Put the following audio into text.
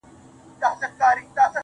د سپینتمان د سردونو د یسنا لوري